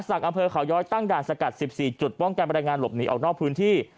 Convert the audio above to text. อำเภอเขาย้อยตั้งด่านสกัด๑๔จุดป้องกันบรรยายงานหลบหนีออกนอกพื้นที่